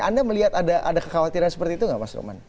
anda melihat ada kekhawatiran seperti itu nggak mas roman